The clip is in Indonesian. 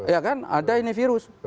ya kan ada ini virus